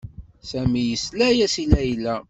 Sami yesla-as i Layla.